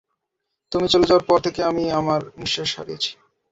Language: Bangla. তুমি চলে যাওয়ার পর থেকে আমি আমার নিশ্বাস হারিয়েছি।